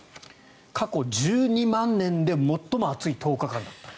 過去１２万年で最も暑い１０日間だった。